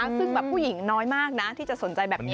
ซึ่งแบบผู้หญิงน้อยมากนะที่จะสนใจแบบนี้